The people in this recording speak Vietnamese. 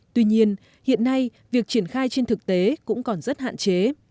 tuy nhiên hiện nay việc triển khai trên thực tế cũng còn rất hạn chế